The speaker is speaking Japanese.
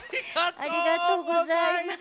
ありがとうございます。